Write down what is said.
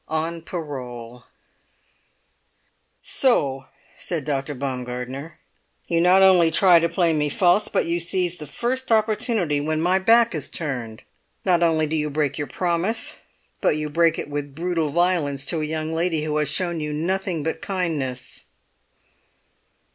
ON PAROLE "So," said Dr. Baumgartner, "you not only try to play me false, but you seize the first opportunity when my back is turned! Not only do you break your promise, but you break it with brutal violence to a young lady who has shown you nothing but kindness!"